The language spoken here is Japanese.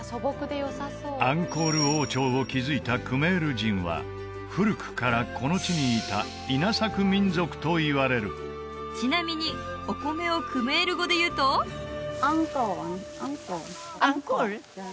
アンコール王朝を築いたクメール人は古くからこの地にいた稲作民族といわれるちなみにお米をクメール語でいうとアンコールアンコール